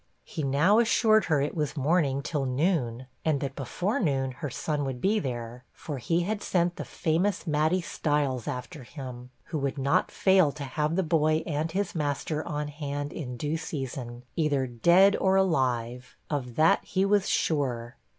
He now assured her it was morning till noon; and that before noon her son would be there, for he had sent the famous 'Matty Styles' after him, who would not fail to have the boy and his master on hand in due season, either dead or alive; of that he was sure.